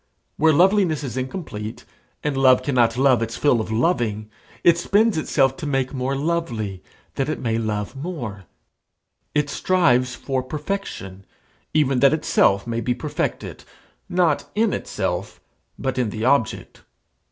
Where loveliness is incomplete, and love cannot love its fill of loving, it spends itself to make more lovely, that it may love more; it strives for perfection, even that itself may be perfected not in itself, but in the object.